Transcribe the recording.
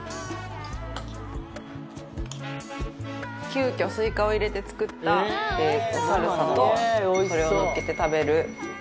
急遽スイカを入れて作ったサルサとこれをのっけて食べるえびせんです。